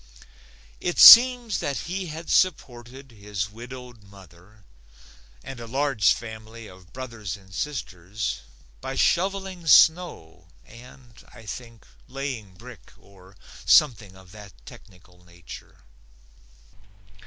It seems that he had supported his widowed mother and a large family of brothers and sisters by shoveling snow and, I think, laying brick or something of that technical nature.